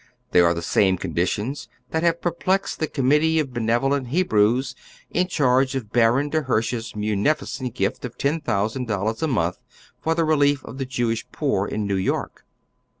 They are the same conditions that have perplexed the committee of benevolent Hebrews in charge of Baron de Hirseh's mnnificent gift of ten thousand dollars a montliforthe relief of the Jewish poor in New York.